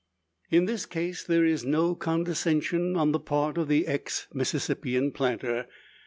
In this case, there is no condescension on the part of the ex Mississippian planter.